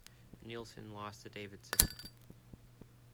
Nealson lost to Davidson.